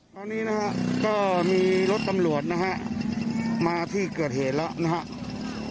ตอนนี้นะฮะก็มีรถตำรวจนะฮะมาที่เกิดเหตุแล้วนะครับ